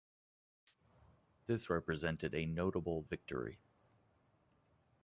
This represented a notable victory.